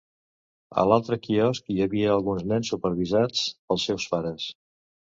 A l'altre quiosc hi havia alguns nens supervisats pels seus pares.